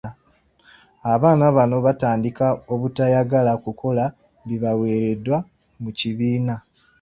Abaana bano baatandika obutayagala kukola bibaweereddwa mu kibiina.